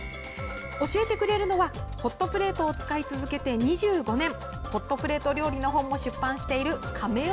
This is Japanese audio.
教えてくれるのはホットプレートを使い続けて２５年ホットプレート料理の本も出版している、かめ代。